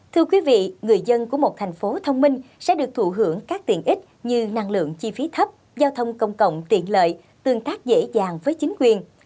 thưa quý vị người dân của một thành phố thông minh sẽ được thụ hưởng các tiện ích như năng lượng chi phí thấp giao thông công cộng tiện lợi tương tác dễ dàng với chính quyền